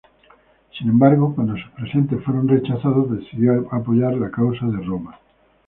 Sin embargo, cuando sus presentes fueron rechazados decidió apoyar la causa de Roma.